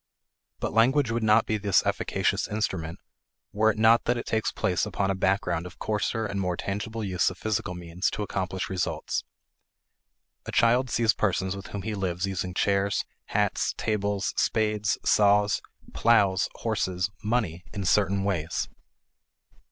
But language would not be this efficacious instrument were it not that it takes place upon a background of coarser and more tangible use of physical means to accomplish results. A child sees persons with whom he lives using chairs, hats, tables, spades, saws, plows, horses, money in certain ways.